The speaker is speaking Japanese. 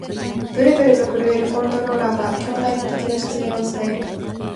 ブルブルと震えるコントローラーが、強大な敵の出現を伝える